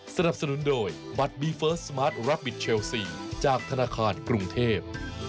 สนับสนุนโดยบัตรบีเฟิร์สสมาร์ทรับบิทเชลซีจากธนาคารกรุงเทพ